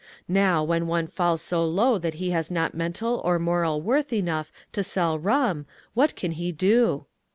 Now when one falls so low that he has not mental or moral worth enough to sell rum, what can he do?